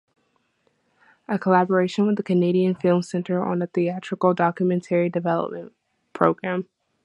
A collaboration with the Canadian Film Centre on a theatrical documentary development program.